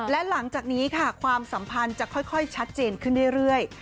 และหลังจากนี้ค่ะความสัมพันธ์จะค่อยชัดเจนขึ้นเรื่อย